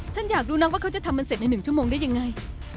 ฉันอยากดูนะว่าเขาจะทำมันเสร็จใน๑ชั่วโมงได้ยังไง